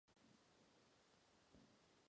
Písnička však do hlavní soutěže nebyla vybrána.